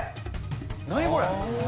何これ？